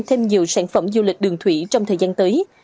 thêm nhiều sản phẩm du lịch đường thủy trong thời gian tới